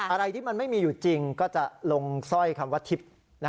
อะไรที่มันไม่มีอยู่จริงก็จะลงสร้อยคำว่าทิพย์